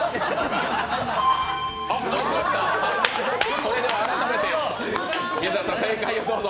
押しました、それでは改めて水田さん、正解をどうぞ。